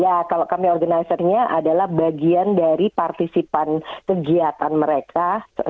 ya kalau kami organizernya adalah bagian dari partisipan kegiatan mereka